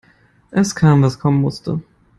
Es kam, was kommen musste.